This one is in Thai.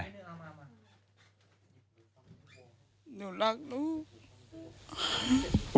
หนูรักหนู